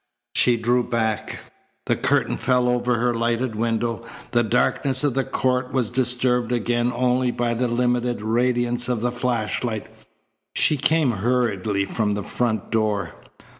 She drew back. The curtain fell over her lighted window. The darkness of the court was disturbed again only by the limited radiance of the flashlight. She came hurriedly from the front door.